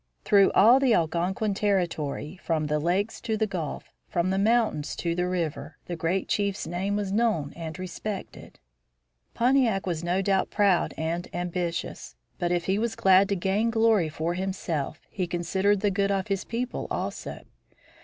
Through all the Algonquin territory, from the Lakes to the Gulf, from the mountains to the river, the great chief's name was known and respected. Pontiac was no doubt proud and ambitious. But if he was glad to gain glory for himself he considered the good of his people also.